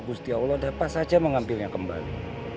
gusti allah dapat saja mengambilnya kembali